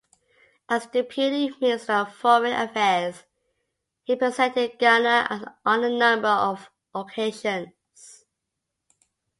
As Deputy Minister of Foreign Affairs he represented Ghana on a number of occasions.